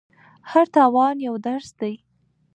هر تاوان یو درس دی.